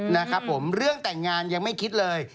นะครับผมเรื่องแต่งงานยังไม่คิดเลย